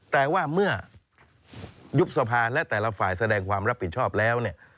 แต่ว่าเมื่อยุบสภาและแต่ละฝ่ายแสดงความรับผิดชอบแล้วเนี่ย